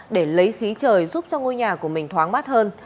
để lấy khí trời giúp cho ngôi nhà của mình thoáng mát hơn